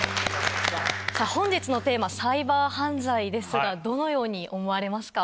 さあ、本日のテーマ、サイバー犯罪ですが、どのように思われますか。